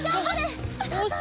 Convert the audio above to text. よし！